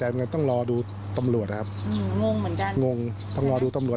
หรือว่าดูเครียดไม่อยากดูอะไร